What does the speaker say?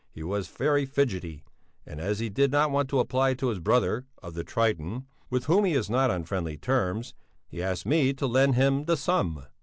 He was very fidgety, and as he did not want to apply to his brother (of the "Triton") with whom he is not on friendly terms, he asked me to lend him the sum.